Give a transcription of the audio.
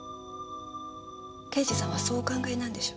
刑事さんはそうお考えなんでしょ？